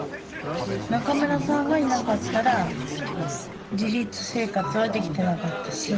中村さんがいなかったら自立生活はできてなかったし。